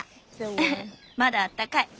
ウフまだあったかい。